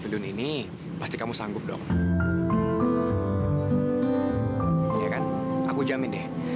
iya kan aku jamin deh